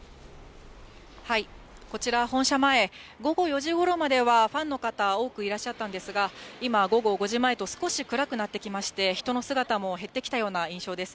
こちら本社前、午後４時ごろまでは、ファンの方、多くいらっしゃったんですが、今、午後５時前と、少し暗くなってきまして、人の姿も減ってきたような印象です。